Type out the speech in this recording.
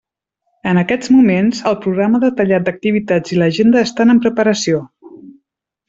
En aquests moments el programa detallat d'activitats i l'agenda estan en preparació.